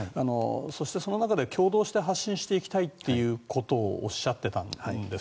そして、その中で共同して発信していきたいということをおっしゃっていたんです。